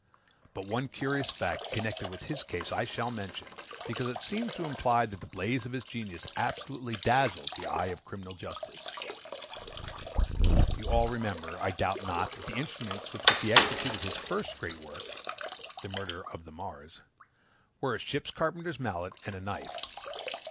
But one curious fact, connected with his case, I shall mention, because it seems to imply that the blaze of his genius absolutely dazzled the eye of criminal justice. You all remember, I doubt not, that the instruments with which he executed his first great work, (the murder of the Marrs,) were a ship carpenter's mallet and a knife.